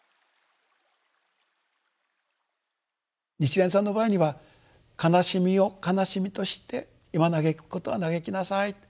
日蓮さんの場合には悲しみを悲しみとして今嘆くことは嘆きなさいと。